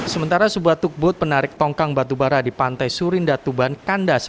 sementara sebuah takbut penarik tongkang batu bara di pantai surindatuban kandas